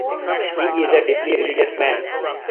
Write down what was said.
He is a deeply religious man.